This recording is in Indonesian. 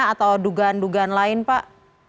atau dugaan dugaan lain pak